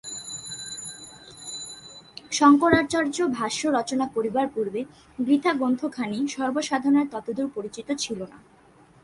শঙ্করাচার্য ভাষ্য রচনা করিবার পূর্বে গীতা-গ্রন্থখানি সর্বসাধারণে ততদূর পরিচিত ছিল না।